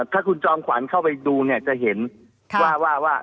ถ้าคุณจอมขวัญเข้าไปดูเนี่ยจะเห็นว่าว่า